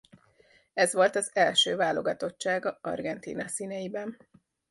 Ez volt az első válogatottsága Argentína színeiben.